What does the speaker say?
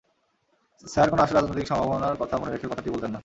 Sir কোনো আশু রাজনৈতিক সম্ভাবনার কথা মনে রেখেও কথাটি বলতেন না।